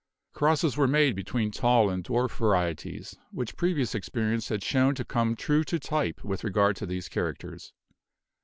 Crosses were made between tall and dwarf va rieties, which previous experience had shown to come true to type with regard to these characters.